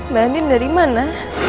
mbak andien dari mana